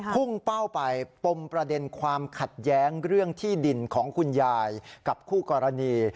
พุ่งเป้าไปปมประเด็นความขัดแย้งเรื่องที่ดินของคุณยายกับคู่กรณี